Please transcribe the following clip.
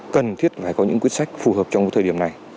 cần thiết phải có những quyết sách phù hợp trong thời điểm này